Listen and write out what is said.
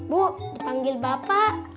bu dipanggil bapak